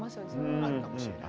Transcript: あるかもしれない。